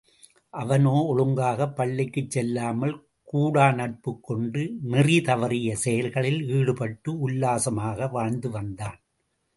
அவனோ ஒழுங்காகப் பள்ளிக்குச் செல்லாமல் கூடாநட்புக் கொண்டு, நெறிதவறிய செயல்களில் ஈடுபட்டு, உல்லாசமாக வாழ்ந்துவந்தான்.